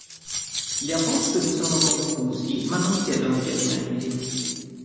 Gli apostoli sono confusi ma non chiedono chiarimenti.